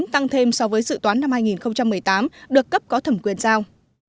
tăng thêm so với dự toán năm hai nghìn một mươi tám được cấp có thẩm quyền giao